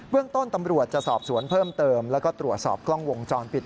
เรื่องต้นตำรวจจะสอบสวนเพิ่มเติมแล้วก็ตรวจสอบกล้องวงจรปิด